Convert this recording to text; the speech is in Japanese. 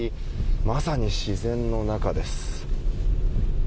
まさに自然の中です。